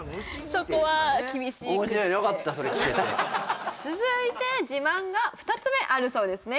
それ聞けて続いて自慢が２つ目あるそうですね